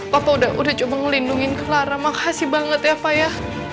papa udah coba ngelindungin clara makasih banget ya pak ya